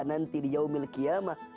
nanti di yaumil kiyamah